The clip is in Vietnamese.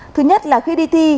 thứ nhất là khi đi thi